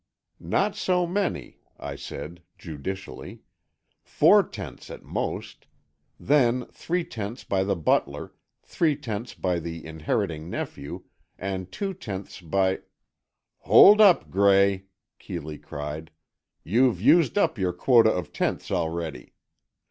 "Not so many," I said, judicially: "Four tenths, at most. Then, three tenths by the butler, three tenths by the inheriting nephew, and two tenths by——" "Hold up, Gray," Keeley cried, "you've used up your quota of tenths already.